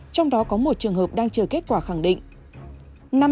trong đó có một trường hợp đang chờ kết quả khẳng định